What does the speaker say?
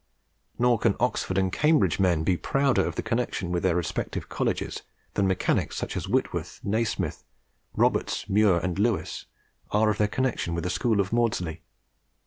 Nor can Oxford and Cambridge men be prouder of the connection with their respective colleges than mechanics such as Whitworth, Nasmyth, Roberts, Muir, and Lewis, are of their connection with the school of Maudslay.